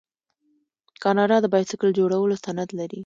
کاناډا د بایسکل جوړولو صنعت لري.